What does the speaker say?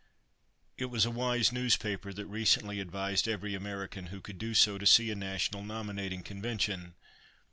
It was a wise newspaper that recently advised every American who could do so to see a national nominating convention.